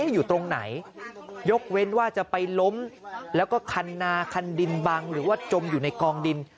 อยู่ตรงไหนยกเว้นว่าจะไปล้มแล้วก็คันนาคันดินบังหรือว่าจมอยู่ในกองดิน